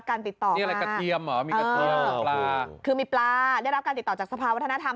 คือมีปลาได้รับการติดต่อจากสภาวัฒนธรรม